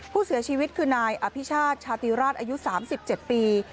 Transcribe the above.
ผู้เสียชีวิตคือนายอภิชาติชาติราชอายุ๓๗ปี